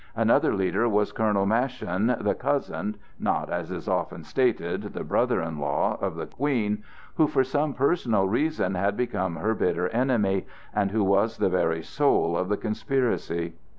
Another leader was Colonel Maschin, the cousin (not, as is often stated, the brother in law) of the Queen, who for some personal reason had become her bitter enemy, and who was the very soul of the conspiracy.